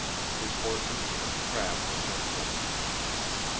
His horses and trap were sent home.